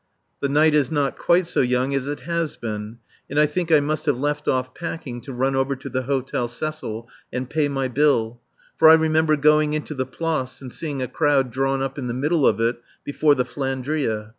The night is not quite so young as it has been, and I think I must have left off packing to run over to the Hôtel Cecil and pay my bill; for I remember going out into the Place and seeing a crowd drawn up in the middle of it before the "Flandria."